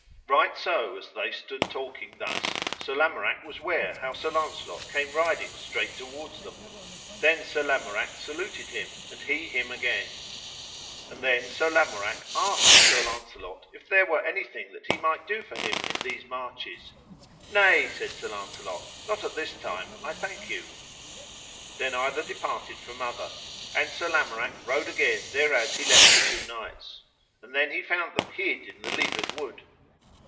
Right so as they stood talking thus Sir Lamorak was ware how Sir Launcelot came riding straight toward them; then Sir Lamorak saluted him, and he him again. And then Sir Lamorak asked Sir Launcelot if there were anything that he might do for him in these marches. Nay, said Sir Launcelot, not at this time I thank you. Then either departed from other, and Sir Lamorak rode again thereas he left the two knights, and then he found them hid in the leaved wood.